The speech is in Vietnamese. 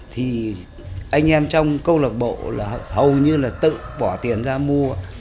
thì anh em trong câu lạc bộ là hầu như là tự bỏ tiền ra mua